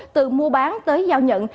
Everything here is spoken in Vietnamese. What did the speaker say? từ mua bán tới giao nhận